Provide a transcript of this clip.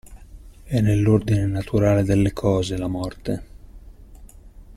È nell'ordine naturale delle cose, la morte.